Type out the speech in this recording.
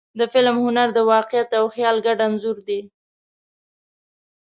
د فلم هنر د واقعیت او خیال ګډ انځور دی.